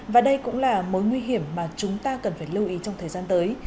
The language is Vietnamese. và đây cũng là mối nguy hiểm mà chúng ta cần phải lưu ý trong thời gian tới